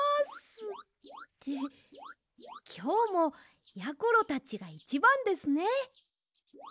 ってきょうもやころたちがいちばんですね。